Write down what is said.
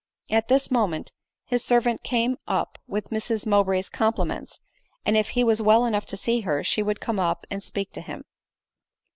9 At this moment his servant came up with Miss "Mow bray's compliments, and, if he was well enough to see her, she would come up and speak to him."